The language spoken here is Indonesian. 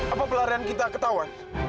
apa pelarian kita ketahuan